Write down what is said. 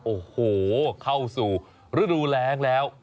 โอ้โหเข้าสู่ฤดูแรงแล้ว